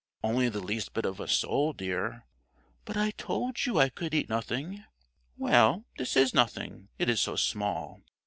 "Only the least bit of a sole, dear." "But I told you I could eat nothing." "Well, this is nothing, it is so small."